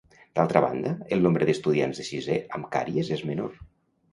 D'altra banda, el nombre d'estudiants de sisè amb càries és menor.